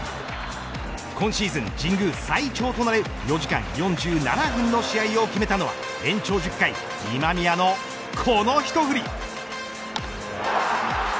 今シーズン、神宮最長となる４時間４７分の試合を決めたのは延長１０回、今宮のこの一振り。